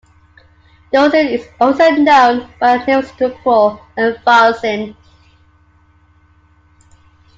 Dulcin is also known by the names sucrol and valzin.